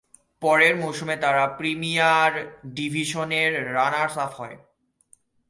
পরের মৌসুমে তারা প্রিমিয়ার ডিভিশনের রানার্স-আপ হয়।